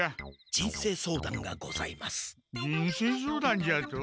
人生相談じゃと？